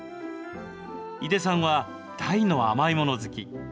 井出さんは、大の甘いもの好き。